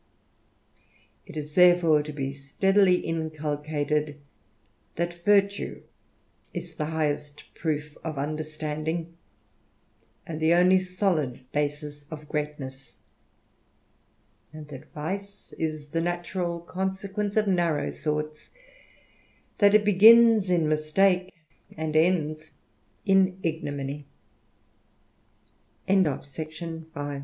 It is therefore to be THE RAMBLER. 19 Readily inculcated, that virtue is the highest proof of Understanding, and the only solid basis of greatness ; and that vice is the natural consequence of narrow thoughts ; that it begins in mistake, and ends in ign